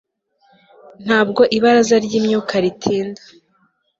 ntabwo ibaraza ryimyuka ritinda